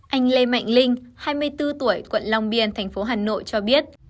anh lê mạnh linh hai mươi bốn tuổi quận long biên tp hà nội cho biết